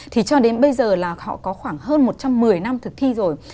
thì cho đến bây giờ là họ có khoảng hơn một trăm một mươi năm thực thi rồi